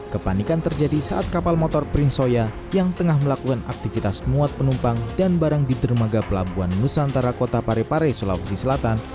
kepanikan terjadi saat kapal motor prince soya yang tengah melakukan aktivitas muat penumpang dan barang di dermaga pelabuhan nusantara kota parepare sulawesi selatan